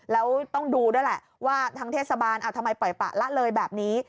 แล้วต้องดูด้วยแหละว่าทางเทศบาลทำไมปล่อยปะละเลยแบบนี้